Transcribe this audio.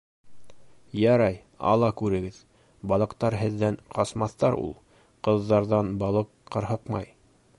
— Ярай, ала күрегеҙ, балыҡтар һеҙҙән ҡасмаҫтар ул. Ҡыҙҙарҙан балыҡ ҡырһыҡмай.